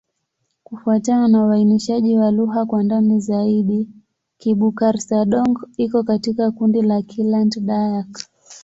Kufuatana na uainishaji wa lugha kwa ndani zaidi, Kibukar-Sadong iko katika kundi la Kiland-Dayak.